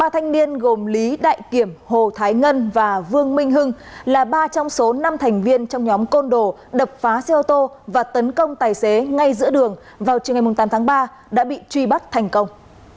ba thanh niên gồm lý đại kiểm hồ thái ngân và vương minh hưng là ba trong số năm thành viên trong nhóm côn đồ đập phá xe ô tô và tấn công tài xế ngay giữa đường vào trường ngày tám tháng ba đã bị truy bắt thành công